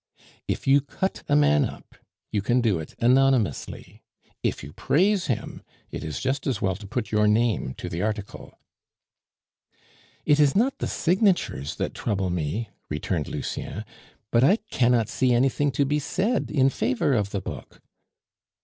If you cut a man up, you do it anonymously; if you praise him, it is just as well to put your name to your article." "It is not the signatures that trouble me," returned Lucien, "but I cannot see anything to be said in favor of the book."